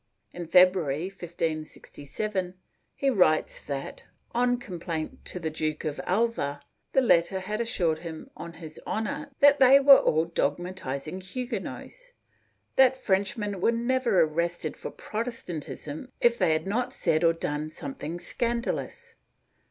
In February, 1567, he writes that, on complaint to the Duke of Alva, the latter had assured him on his honor that they were all dogmatizing Huguenots; that Frenchmen were never arrested for Protestantism if they had not said or done something scandalous.